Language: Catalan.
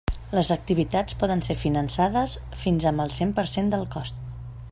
Les activitats poden ser finançades fins amb el cent per cent del cost.